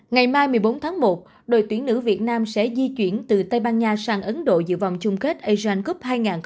ngày mai một mươi bốn tháng một đội tuyển nữ việt nam sẽ di chuyển từ tây ban nha sang ấn độ dự vòng chung kết asian cup hai nghìn hai mươi